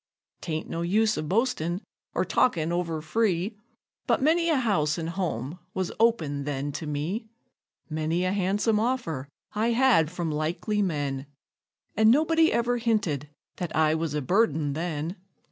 'Tain't no use of boastin', or talkin' over free, But many a house an' home was open then to me; Many a han'some offer I had from likely men, And nobody ever hinted that I was a burden then.